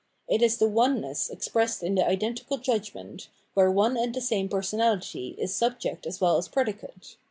It is the oneness expressed in the identical judgment, where one and the same personality is subject as well as predicate.